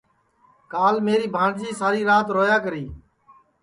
کال میری بھانٚٹؔجی ساری رات رویا کری